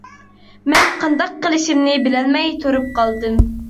مەن قانداق قىلىشىمنى بىلەلمەي تۇرۇپ قالدىم.